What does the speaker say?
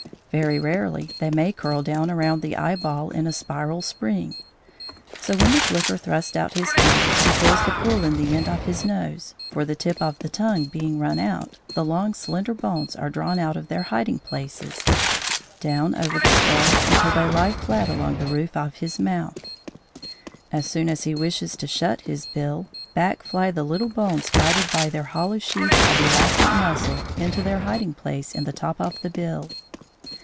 Very rarely they may curl down around the eyeball in a spiral spring. So when the flicker thrusts out his tongue he feels the pull in the end of his nose, for the tip of the tongue being run out, the long slender bones are drawn out of their hiding places, down over the skull until they lie flat along the roof of his mouth. As soon as he wishes to shut his bill, back fly the little bones guided by their hollow sheaths of elastic muscle into their hiding place in the top of the bill.